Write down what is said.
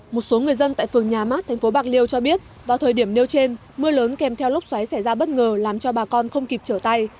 một số người dân tại phường nhà mát tp bạc liêu cho biết vào thời điểm nêu trên mưa lớn kèm theo lốc xoáy xảy ra bất ngờ làm cho bà con không kịp trở tay